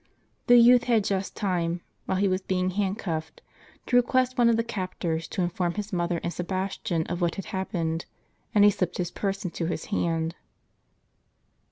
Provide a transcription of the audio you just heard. The youth had just time, while he was being handcuffed, to request one of the captors to inform his mother and Sebastian of what had hap pened, and he slipped his purse into his hand.